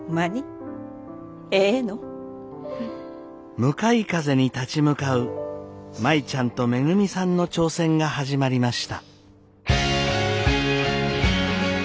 向かい風に立ち向かう舞ちゃんとめぐみさんの挑戦が始まりました。